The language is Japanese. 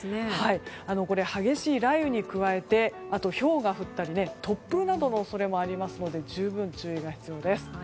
これ激しい雷雨に加えてひょうが降ったり突風などの恐れもありますので十分注意が必要です。